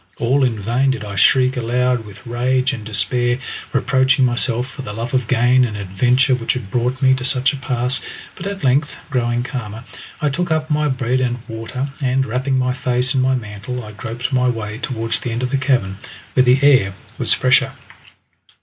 All in vain did I shriek aloud with rage and despair, reproaching myself for the love of gain and adventure which had brought me to such a pass, but at length, growing calmer, I took up my bread and water, and wrapping my face in my mantle I groped my way towards the end of the cavern, where the air was fresher.